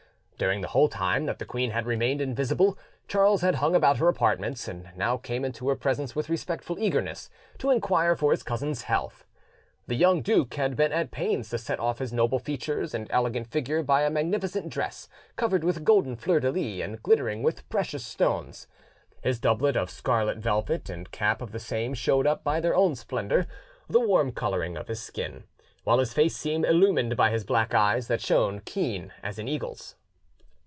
During the whole time that the queen had remained invisible, Charles had hung about her apartments, and now came into her presence with respectful eagerness to inquire for his cousin's health. The young duke had been at pains to set off his noble features and elegant figure by a magnificent dress covered with golden fleur de lys and glittering with precious stones. His doublet of scarlet velvet and cap of the same showed up, by their own splendour, the warm colouring of his skin, while his face seemed illumined by his black eyes that shone keen as an eagle's.